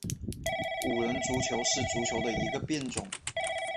五人足球是足球的一个变种。